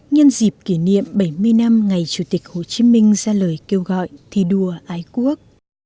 nhân dịp kỷ niệm bảy mươi năm ngày chủ tịch hồ chí minh ra lời kêu gọi thi đua ái quốc